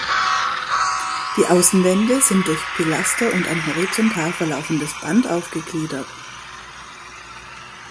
Die Außenwände sind durch Pilaster und ein horizontal verlaufendes Band aufgegliedert.